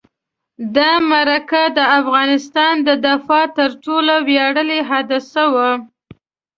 دا معرکه د افغانستان د دفاع تر ټولو ویاړلې حادثه وه.